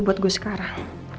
buat gue sekarang